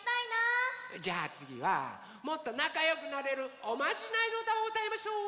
じゃあつぎはもっとなかよくなれるおまじないのうたをうたいましょう！